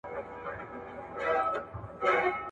آیا تاسې پوهیږئ چې ټولنیز واقعیت څه سي دی؟